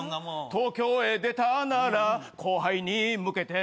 「東京へ出たなら後輩に向けて」